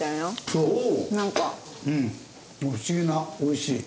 不思議な美味しい。